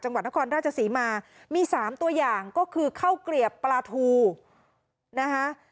จังหวัดนครราชศรีมามี๓ตัวอย่างก็คือข้าวเกลียบปลาทูนะคะ